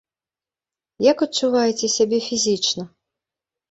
Як адчуваеце сябе фізічна?